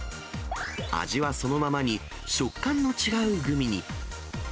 味はそのままに、食感の違うグミに。